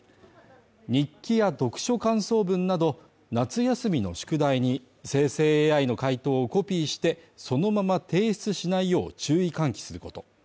日記や読書感想文など夏休みの宿題に生成ＡＩの回答をコピーして、そのまま提出しないよう注意喚起すること。